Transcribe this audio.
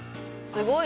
すごい。